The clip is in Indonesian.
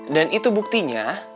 dan itu buktinya